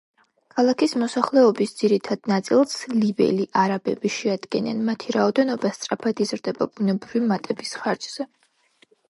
ქალაქის მოსახლეობის ძირითად ნაწილს ლიბიელი არაბები შეადგენენ, მათი რაოდენობა სწრაფად იზრდება ბუნებრივი მატების ხარჯზე.